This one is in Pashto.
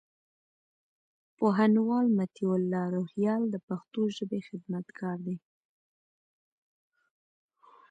پوهنوال مطيع الله روهيال د پښتو ژبي خدمتګار دئ.